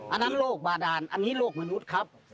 อันนั้นโรคบาดานอันนี้โลกมนุษย์ครับ